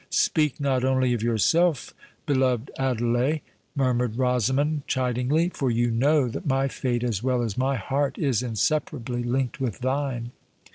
"Speak not only of yourself, beloved Adelais," murmured Rosamond chidingly; "for you know that my fate, as well as my heart, is inseparably linked with thine."